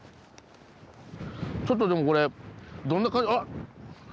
ちょっとでもこれどんな感じあ！